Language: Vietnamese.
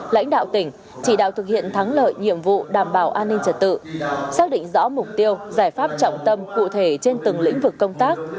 lãnh đạo tỉnh chỉ đạo thực hiện thắng lợi nhiệm vụ đảm bảo an ninh trật tự xác định rõ mục tiêu giải pháp trọng tâm cụ thể trên từng lĩnh vực công tác